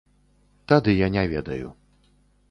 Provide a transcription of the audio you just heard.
Тады я не ведаю.